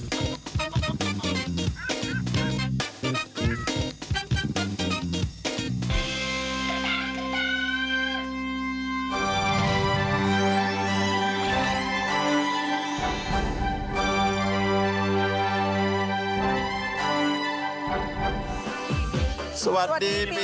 ขาวใส่ไข่สดใหม่